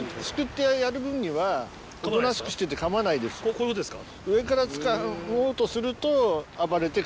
こういうことですか？